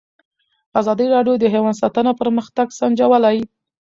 ازادي راډیو د حیوان ساتنه پرمختګ سنجولی.